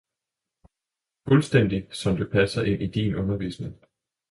fuldstændig, som det passer ind i din undervisning.